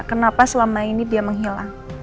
kenapa selama ini dia menghilang